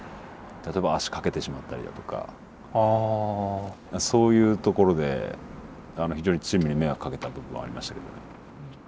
例えば足かけてしまったりだとかそういうところで非常にチームに迷惑かけた部分もありましたけどね。